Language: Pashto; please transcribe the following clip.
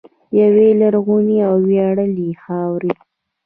یوې لرغونې او ویاړلې خاورې.